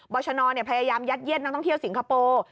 ชนพยายามยัดเย็ดนักท่องเที่ยวสิงคโปร์